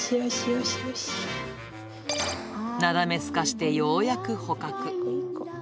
なだめすかしてようやく捕獲。